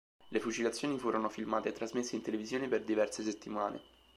Le fucilazioni furono filmate e trasmesse in televisione per diverse settimane.